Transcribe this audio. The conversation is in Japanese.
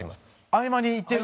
合間に行ってる？